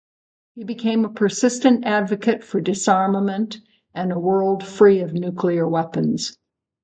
He became a persistent advocate for disarmament and a world free of nuclear weapons.